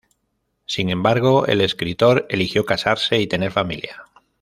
Sin embargo, el escritor eligió casarse y tener familia.